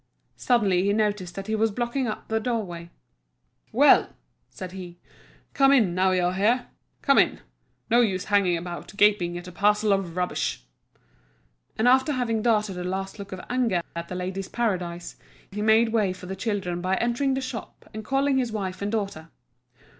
Suddenly he noticed that he was blocking up the doorway. "Well," said he, "come in, now you're here. Come in, no use hanging about gaping at a parcel of rubbish." And after having darted a last look of anger at The Ladies' Paradise, he made way for the children by entering the shop and calling his wife and daughter.